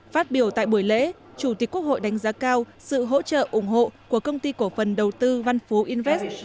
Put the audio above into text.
phát biểu tại buổi lễ chủ tịch quốc hội đánh giá cao sự hỗ trợ ủng hộ của công ty cổ phần đầu tư văn phú invest